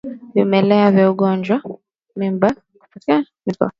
Vimelea vya ugonjwa wa kutupa mimba hupatikana kwenye mizoga